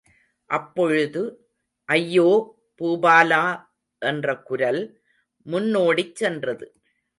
அப்பொழுது– ஐயோ, பூபாலா! என்ற குரல் முன்னோடிச் சென்றது.